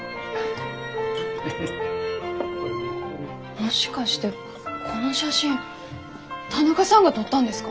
もしかしてこの写真田中さんが撮ったんですか？